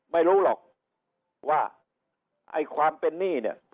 ไม่รู้หรอกว่าความเป็นนี่